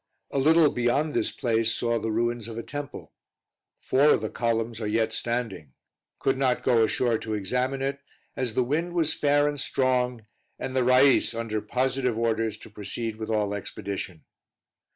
A little beyond this place saw the ruins of a temple; four of the columns are yet standing; could not go ashore to examine it, as the wind was fair and strong, and the Rais under positive orders to proceed with all expedition.